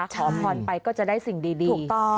ขอพรไปก็จะได้สิ่งดีถูกต้อง